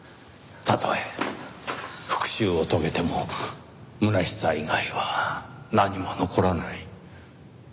たとえ復讐を遂げても空しさ以外は何も残らない。